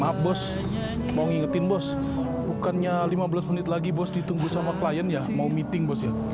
maaf bos mau ngingetin bos bukannya lima belas menit lagi bos ditunggu sama klien ya mau meeting bos ya